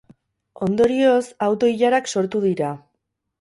Ondorioz, auto-ilarak sortu dira.